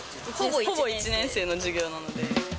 ほぼ１年生の授業なので。